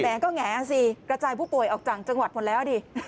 แหงก็แงสิกระจายผู้ป่วยออกจากจังหวัดหมดแล้วดิ